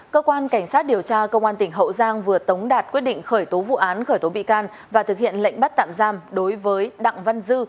cơ quan cảnh sát điều tra công an tỉnh hậu giang vừa tống đạt quyết định khởi tố vụ án khởi tố bị can và thực hiện lệnh bắt tạm giam đối với đặng văn dư